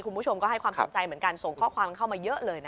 คุณผู้ชมก็ให้ความสนใจเหมือนกันส่งข้อความเข้ามาเยอะเลยนะคะ